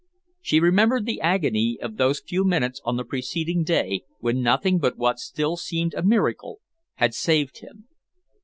She remembered the agony of those few minutes on the preceding day, when nothing but what still seemed a miracle had saved him.